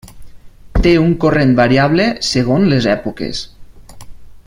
Té un corrent variable segons les èpoques.